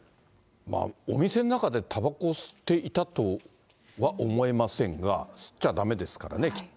お店の中でたばこを吸っていたとは思えませんが、吸っちゃだめですからね、きっと。